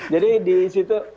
jadi di situ